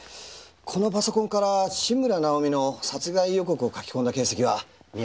このパソコンから志村尚美の殺害予告を書き込んだ形跡は見当たりませんね。